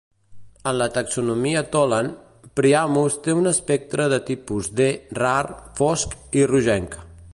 En la taxonomia Tholen, Priamus té un espectre de tipus D rar, fosc i rogenc.